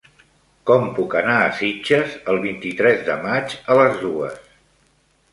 Com puc anar a Sitges el vint-i-tres de maig a les dues?